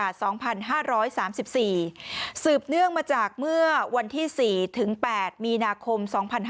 สืบเนื่องมาจากเมื่อวันที่๔ถึง๘มีนาคม๒๕๕๙